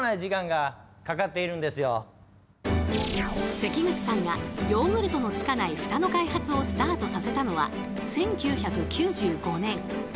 関口さんがヨーグルトのつかないフタの開発をスタートさせたのは１９９５年。